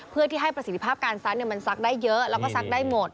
เพื่อที่ให้ประสิทธิภาพการซักมันซักได้เยอะแล้วก็ซักได้หมด